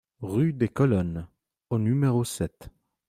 Rue des Colonnes au numéro sept